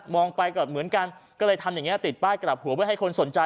ไปก็เหมือนกันก็เลยทำอย่างเงี้ติดป้ายกลับหัวเพื่อให้คนสนใจ